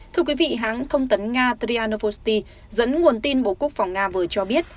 thưa quý vị hãng thông tấn nga theryanovosti dẫn nguồn tin bộ quốc phòng nga vừa cho biết